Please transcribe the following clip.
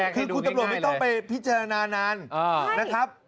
คือคุณตำรวจไม่ต้องไปพิจารณานานนะครับ